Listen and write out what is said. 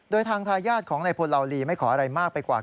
โดยทางทายาทของนายพลเหลาลีไม่ขออะไรมากไปกว่า